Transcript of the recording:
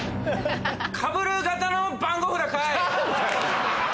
かぶる型の番号札かい！